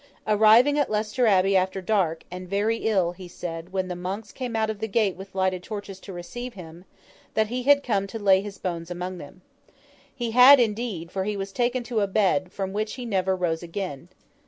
Arriving at Leicester Abbey after dark, and very ill, he said—when the monks came out at the gate with lighted torches to receive him—that he had come to lay his bones among them. He had indeed; for he was taken to a bed, from which he never rose again.